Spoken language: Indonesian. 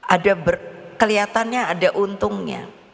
ada kelihatannya ada untungnya